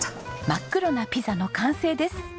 真っ黒なピザの完成です。